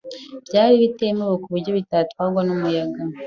byari biremereye kuburyo bitatwarwa numuyaga